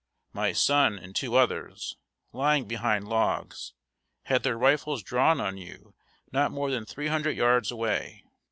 My son and two others, lying behind logs, had their rifles drawn on you not more than three hundred yards away.